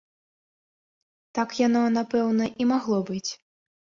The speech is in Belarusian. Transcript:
Так яно, напэўна, і магло быць.